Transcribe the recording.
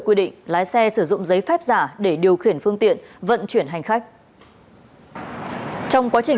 quy định lái xe sử dụng giấy phép giả để điều khiển phương tiện vận chuyển hành khách trong quá trình